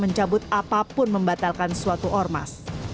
mencabut apapun membatalkan suatu ormas